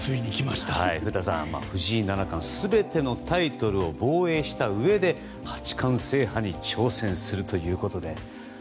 古田さん、藤井七冠は全てのタイトルを防衛したうえで八冠制覇に挑戦するということで。